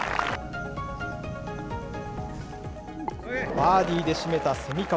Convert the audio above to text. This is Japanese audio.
バーディーで締めた蝉川。